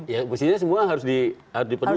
ya mestinya semua harus dipenuhi